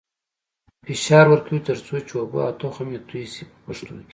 فشار ورکوي تر څو چې اوبه او تخم یې توی شي په پښتو کې.